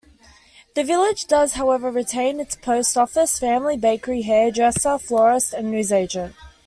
The village does however retain its post office, family bakery, hairdresser, florist and newsagent.